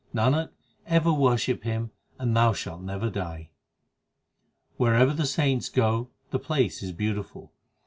Nanak, ever worship Him and thou shalt never die. 18 Wherever the saints go, the place is beautiful.